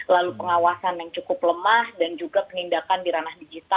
lalu pengawasan yang cukup lemah dan juga penindakan di ranah digital